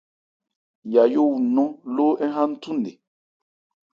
Yayó wu ńnɔ́n lóó ń ha nthu nne.